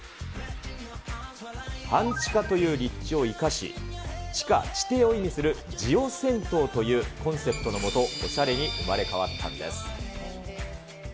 半地下という立地を生かし、地下、地底を意味するジオ銭湯というコンセプトのもと、おしゃれに生まれ変わったんです。